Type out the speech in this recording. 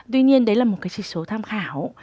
tuy nhiên đấy là một cái chỉ số tham khảo